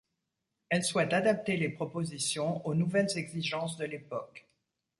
Elle souhaite adapter les propositions aux nouvelles exigences de l’époque.